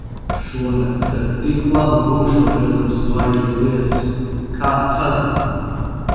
Šonakt tak tik labi būšot redzams zvaigžņu lietus. Kā tad!